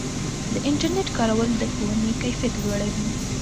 د انټرنیټ کارول د ښوونې کیفیت لوړوي.